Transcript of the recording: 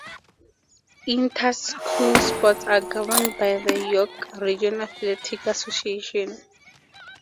Inter-school sports are governed by the York Region Athletic Association.